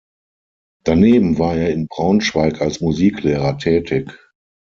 Daneben war er in Braunschweig als Musiklehrer tätig.